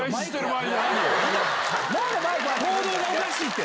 行動がおかしいって！